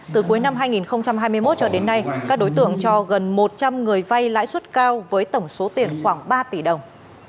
từ cuối năm hai nghìn hai mươi một cho đến nay các đối tượng cho gần một trăm linh người vay lãi suất cao với tổng số tiền khoảng ba tỷ đồng